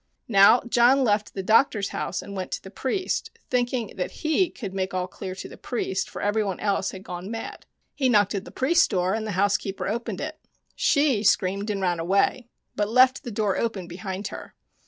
Now John left the doctor's house and went to the priest, thinking that he could make all clear to the priest, for everybody else had gone mad. He knocked at the John Connors and the Fairies 15 priest's door and the housekeeper opened it. She screamed and ran away, but left the door open behind her.